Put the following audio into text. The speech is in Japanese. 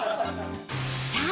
さあ